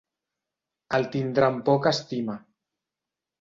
El tindrà en poca estima.